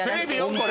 これ。